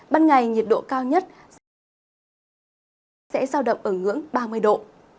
ban ngày nhiệt độ cao nhất sẽ sao đậm ở ngưỡng ba mươi độ